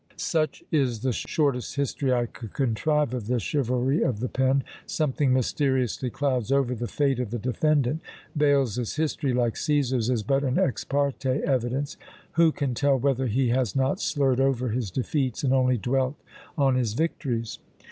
Such is the shortest history I could contrive of this chivalry of the pen; something mysteriously clouds over the fate of the defendant; Bales's history, like Cæsar's, is but an ex parte evidence. Who can tell whether he has not slurred over his defeats, and only dwelt on his victories?